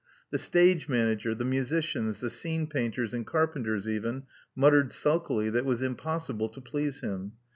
The stage manager, the musicians, the scene painters and carpenters even, muttered sulkily that it was impossible to please him.